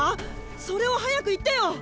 ⁉それを早く言ってよ！